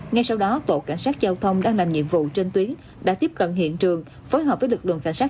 ngay sau đó tổ cảnh sát giao thông đang làm nhiệm vụ trên tuyến đã tiếp cận hiện trường phối hợp với lực lượng cảnh sát